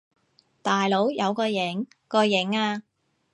大佬，有個影！個影呀！